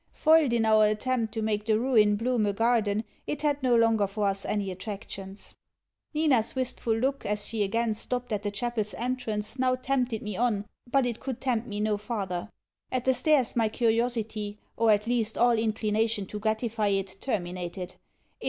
Foiled in our attempt to make the ruin bloom a garden, it had no longer for us any attractions. Nina's wistful look as she again stopped at the chapel's entrance now tempted me on, but it could tempt me no farther. At the stairs my curiosity or at least all inclination to gratify it terminated.